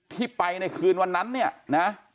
ที่ไปในคืนวันนั้น